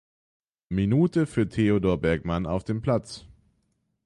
Minute für Theodor Bergmann auf den Platz.